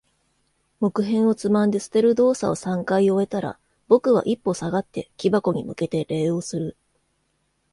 木片をつまんで捨てる動作を三回終えたら、僕は一歩下がって、木箱に向けて礼をする。